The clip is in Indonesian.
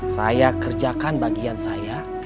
saya kerjakan bagian saya